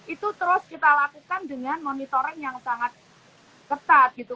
itu terus kita lakukan dengan monitoring yang sangat ketat gitu